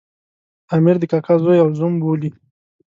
د امیر د کاکا زوی او زوم بولي.